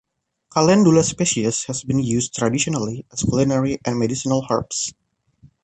"Calendula" species have been used traditionally as culinary and medicinal herbs.